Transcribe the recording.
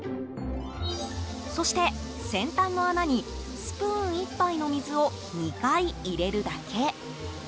そして、先端の穴にスプーン１杯の水を２回入れるだけ。